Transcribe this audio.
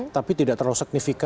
tapi tidak terlalu signifikan